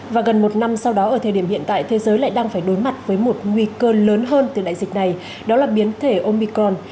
và gần một năm sau đó ở thời điểm hiện tại thế giới lại đang phải đối mặt với một nguy cơ lớn hơn từ đại dịch này đó là biến thể omicron